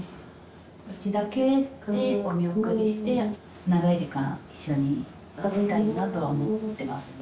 うちだけでお見送りして長い時間一緒にいたいなとは思ってますね。